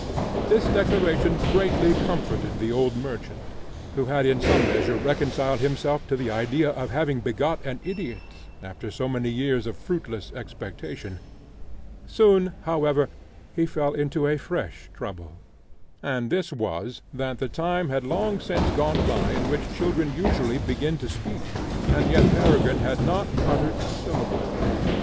This declaration greatly comforted the old merchant, who had in some measure reconciled himself to the idea of having begot an idiot, after so many years of fruitless expectation. Soon, however, he fell into a fresh trouble; and this was, that the time had long since gone by in which children usually begin to speak, and yet Peregrine had not uttered a syllable.